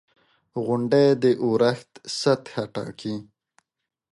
• غونډۍ د اورښت سطحه ټاکي.